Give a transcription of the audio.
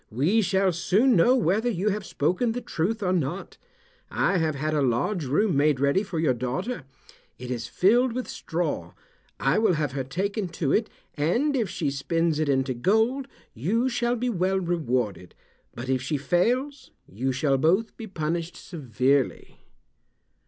"We shall soon know whether you have spoken the truth or not. I have had a large room made ready for your daughter. It is filled with straw. I will have her taken to it, and if she spins it into gold you shall be well rewarded, but if she fails you shall both be punished severely."